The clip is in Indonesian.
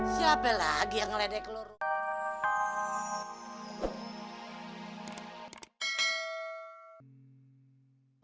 siapa lagi yang ledek lorong